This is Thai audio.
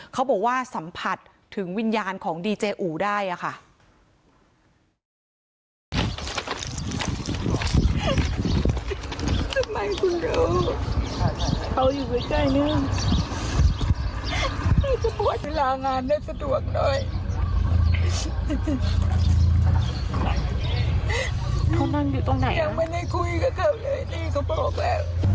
เขาบอกว่าสัมผัสถึงวิญญาณของดีเจอูได้ค่ะ